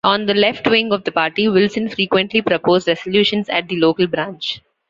On the left-wing of the party, Wilson frequently proposed resolutions at the local branch.